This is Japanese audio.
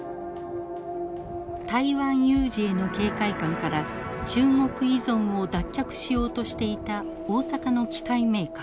台湾有事への警戒感から中国依存を脱却しようとしていた大阪の機械メーカー。